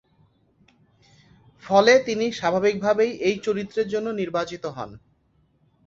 ফলে তিনি স্বাভাবিকভাবেই এই চরিত্রের জন্য নির্বাচিত হন।